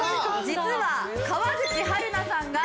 実は川口春奈さんが。